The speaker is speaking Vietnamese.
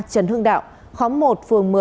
trần hưng đạo khóng một phường một mươi